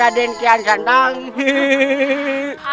aduh ini memang tidak baik